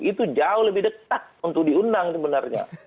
itu jauh lebih dekat untuk diundang sebenarnya